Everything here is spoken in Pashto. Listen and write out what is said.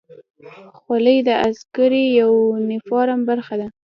خولۍ د عسکري یونیفورم برخه ده.